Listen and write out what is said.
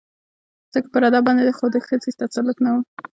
ځکه پر ادب باندې خو د ښځې تسلط نه و